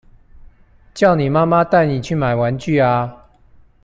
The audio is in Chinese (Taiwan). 叫你媽媽帶你去買玩具啊